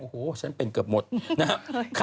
โอ้โหฉันเป็นเกือบหมดนะครับ